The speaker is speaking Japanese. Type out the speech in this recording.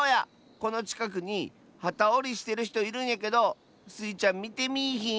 このちかくにはたおりしてるひといるんやけどスイちゃんみてみいひん？